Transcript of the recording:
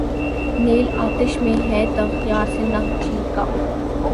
نعل آتش میں ہے تیغ یار سے نخچیر کا